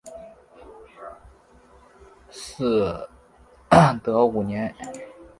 嗣德五年。